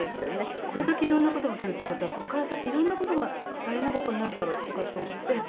これだけ色んな事が来るっていう事はここから先色んな事が大変な事になるだろうとかって思って。